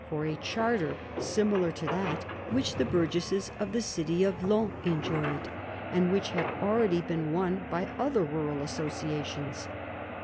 for a charter similar to that which the burgesses of the city of Laon enjoyed, and which had already been won by other rural associations.